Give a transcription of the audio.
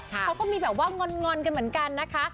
เขาก็มีแบบว่างอนกันเหมือนกันนะคะ